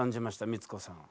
光子さんは。